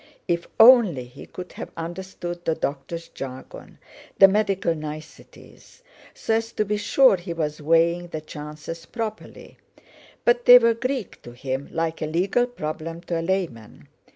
If only he could have understood the doctor's jargon, the medical niceties, so as to be sure he was weighing the chances properly; but they were Greek to him—like a legal problem to a layman.